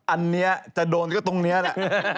อันนี้จะโดนก็ตรงนี้แหละ